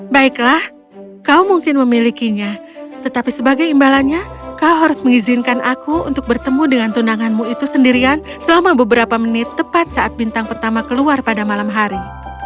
baiklah kau mungkin memilikinya tetapi sebagai imbalannya kau harus mengizinkan aku untuk bertemu dengan tunanganmu itu sendirian selama beberapa menit tepat saat bintang pertama keluar pada malam hari